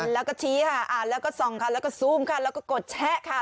แล้วก็ชี้ค่ะอ่านแล้วก็ส่องค่ะแล้วก็ซูมค่ะแล้วก็กดแชะค่ะ